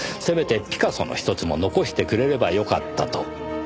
せめてピカソの１つも残してくれればよかったと。